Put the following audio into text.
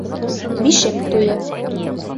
Бишек туйы